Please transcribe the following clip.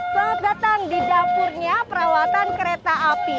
selamat datang di dapurnya perawatan kereta api